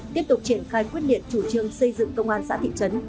tiếp tục triển khai quyết liệt chủ trương xây dựng công an xã thị trấn